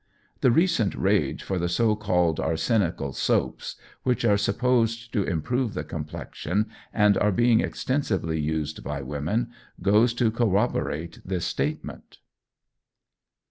The recent rage for the so called arsenical soaps, which are supposed to improve the complexion and are being extensively used by women, goes to corroborate this statement.